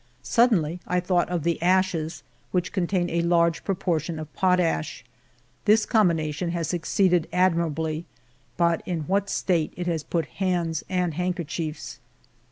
Suddenly I thought of the ashes, which contain a large proportion of potash. This com bination has succeeded admirably, but in what a state it has put hands and handkerchiefs!